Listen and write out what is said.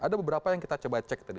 ada beberapa yang kita coba cek tadi